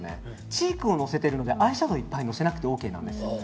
チークをのせてるのでアイシャドーをいっぱいのせなくていいんです。